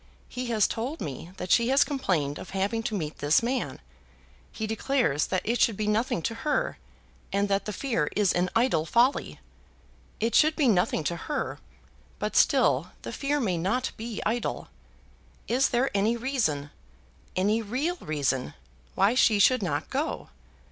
He has told me that she has complained of having to meet this man. He declares that it should be nothing to her, and that the fear is an idle folly. It should be nothing to her, but still the fear may not be idle. Is there any reason, any real reason, why she should not go?